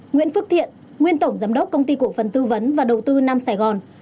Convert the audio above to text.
nguyễn phước thiện nguyên tổng giám đốc công ty cổ phần tư vấn và đầu tư nam sài gòn